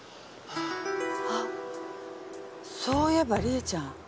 あっそういえば理恵ちゃん。